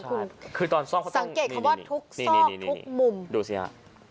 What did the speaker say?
คุณคือตอนสังเกตคำว่าทุกซอกทุกมุมดูสิฮะ